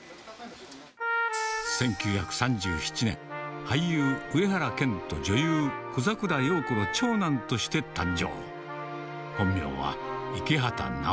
１９３７年、俳優、上原謙と女優、小桜葉子の長男として誕生。